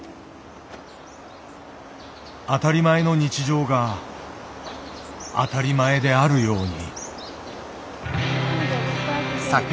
当たり前の日常が当たり前であるように。